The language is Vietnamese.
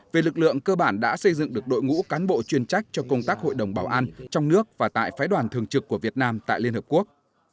về lực lượng cơ bản đã xây dựng được đội ngũ cán bộ chuyên trách cho công tác hội đồng bảo an trong nước và tại phái đoàn thường trực của việt nam tại liên hợp quốc